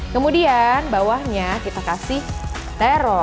kemudian bawahnya kita kasih tero